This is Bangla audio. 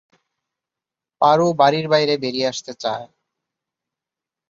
পারো বাড়ির বাইরে বেরিয়ে আসতে চায়।